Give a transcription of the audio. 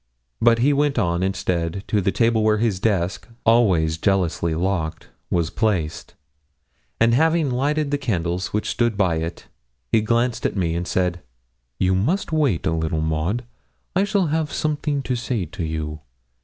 But he went on, instead, to the table where his desk, always jealously locked, was placed, and having lighted the candles which stood by it, he glanced at me, and said 'You must wait a little, Maud; I shall have something to say to you.